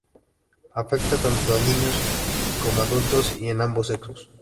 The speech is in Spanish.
Afecta tanto a niños como adultos y en ambos sexos.